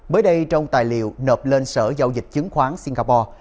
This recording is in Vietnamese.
bới đây trong tài liệu nợp lên sở giao dịch chứng khoán singapore